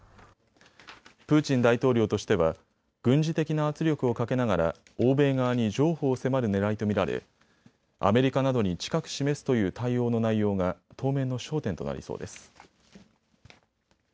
プーチン大統領としては軍事的な圧力をかけながら欧米側に譲歩を迫るねらいと見られアメリカなどに近く示すという対応の内容が当面の焦点となりそうです。